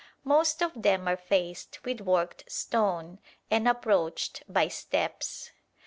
Most of them are faced with worked stone, and approached by steps.